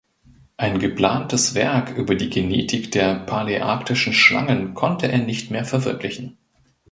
Ein geplantes Werk über die Genetik der paläarktischen Schlangen konnte er nicht mehr verwirklichen.